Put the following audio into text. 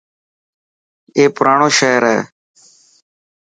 اي پراڻو شهر هي.